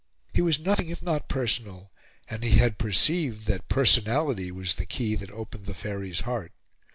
He was nothing if not personal; and he had perceived that personality was the key that opened the Faery's heart.